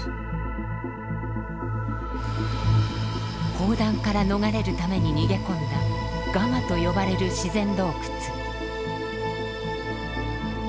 砲弾から逃れるために逃げ込んだガマと呼ばれる自然洞窟。